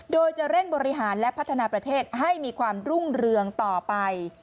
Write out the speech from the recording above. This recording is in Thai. โดยจะเร่งบริหารและพัฒนาประเทศให้มีความรุ่งเรืองต่อไป